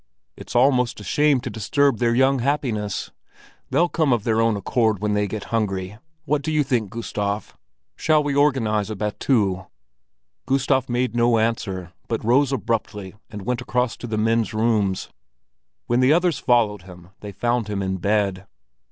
It's almost a shame to disturb their young happiness. They'll come of their own accord when they get hungry. What do you think, Gustav? Shall we organize a battue?" Gustav made no answer, but rose abruptly and went across to the men's rooms. When the others followed him, they found him in bed.